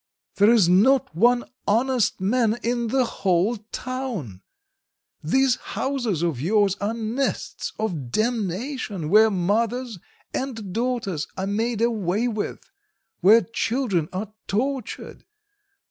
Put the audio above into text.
There is not one honest man in the whole town! These houses of yours are nests of damnation, where mothers and daughters are made away with, where children are tortured.